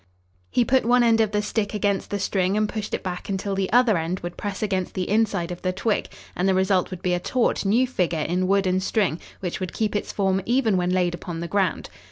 He put one end of the stick against the string and pushed it back until the other end would press against the inside of the twig, and the result would be a taut, new figure in wood and string which would keep its form even when laid upon the ground.